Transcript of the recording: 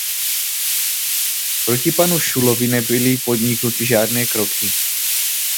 Proti panu Schulzovi nebyly podniknuty žádné kroky.